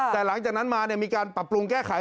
แต่หลังจากนั้นมามีการปรับปรุงแก้ไข